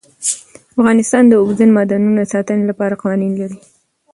افغانستان د اوبزین معدنونه د ساتنې لپاره قوانین لري.